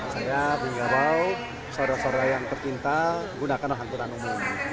saya bung gabau seorang seorang yang terkinta gunakan angkutan umum